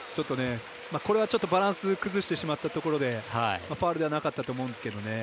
これはちょっとバランス崩してしまったところでファウルではなかったと思うんですけど。